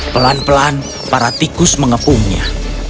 pelan pelan para tikus mengepungnya